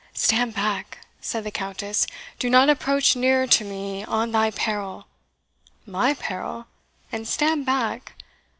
"Stand back!" said the Countess; "do not approach nearer to me on thy peril!" "My peril! and stand back!